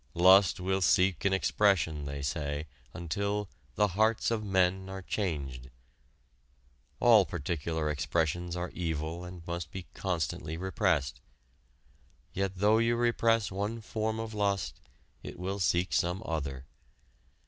Lust will seek an expression, they say, until "the hearts of men are changed." All particular expressions are evil and must be constantly repressed. Yet though you repress one form of lust, it will seek some other.